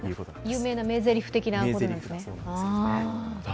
有名な名ぜりふ的なことなんですね。